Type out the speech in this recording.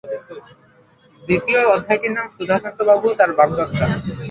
দ্বিতীয় অধ্যায়টির নাম-সুধাকান্তবাবুও তাঁর বাগদত্তা।